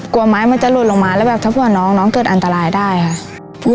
กลัวไม้มันจะหล่นลงมาแล้วแบบถ้าเผื่อน้องน้องเกิดอันตรายได้ค่ะ